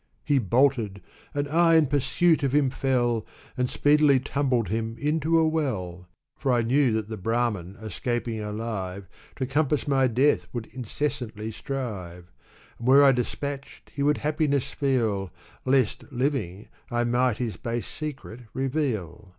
He bolted, and I in pursuit of him fell, And speedily tumbled him into a well ; For I knew that the Brahmin escaping alive, To compass my death would incessantly strive. And were I despatched he would happiness feel. Lest, living, I might his base secret reveal.